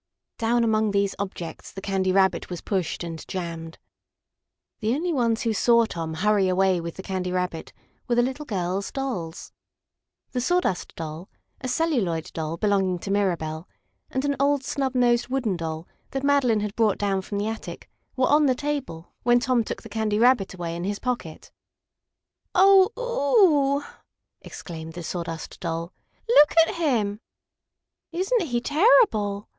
Down among these objects the Candy Rabbit was pushed and jammed. The only ones who saw Tom hurry away with the Candy Rabbit were the little girls' dolls. The Sawdust Doll, a Celluloid Doll belonging to Mirabell, and an old snub nosed Wooden Doll, that Madeline had brought down from the attic, were on the table when Tom took the Candy Rabbit away in his pocket. "Oh oo o oh!" exclaimed the Sawdust Doll. "Look at him!" "Isn't he terrible!"